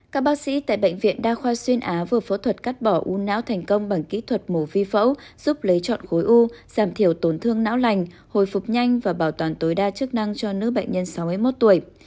các bác sĩ tại bệnh viện đa khoa xuyên á vừa phẫu thuật cắt bỏ u não thành công bằng kỹ thuật mổ vi phẫu giúp lấy chọn khối u giảm thiểu tổn thương não lành hồi phục nhanh và bảo toàn tối đa chức năng cho nữ bệnh nhân sáu mươi một tuổi